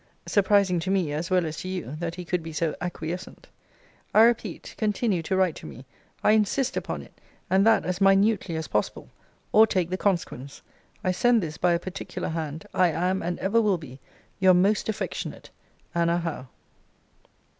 Surprising to me, as well as to you, that he could be so acquiescent! I repeat continue to write to me. I insist upon it; and that as minutely as possible: or, take the consequence. I send this by a particular hand. I am, and ever will be, Your most affectionate, ANNA HOWE.